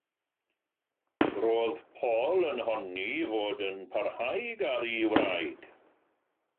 Roedd Paul yn honni ei fod yn parhau i garu ei wraig.